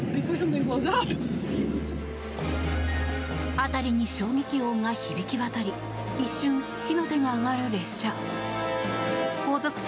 辺りに衝撃音が響き渡り一瞬、火の手が上がる列車。